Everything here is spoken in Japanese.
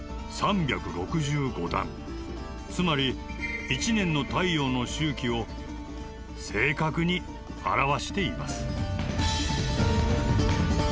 つまり一年の太陽の周期を正確に表しています。